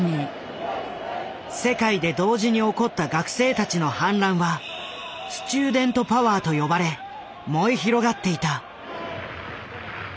世界で同時に起こった学生たちの反乱は「スチューデント・パワー」と呼ばれ燃え広がっていた。